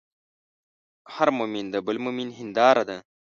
هر مؤمن د بل مؤمن هنداره ده.